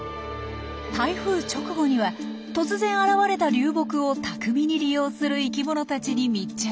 台風直後には突然現れた流木を巧みに利用する生きものたちに密着。